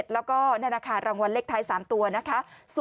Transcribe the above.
แล้วก็นั่นนะคะรางวัลเลขท้าย๓ตัวนะคะ